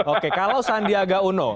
oke kalau sandiaga uno